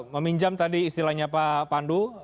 meminjam tadi istilahnya pak pandu